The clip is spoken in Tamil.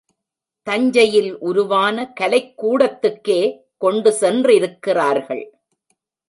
தஞ்சையில் உருவான கலைக்கூடத்துக்கே கொண்டு சென்றிருக்கிறார்கள்.